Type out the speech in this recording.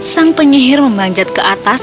sang penyihir memanjat ke atas